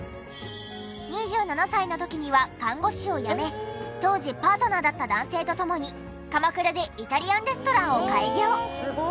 ２７歳の時には看護師を辞め当時パートナーだった男性と共に鎌倉でイタリアンレストランを開業。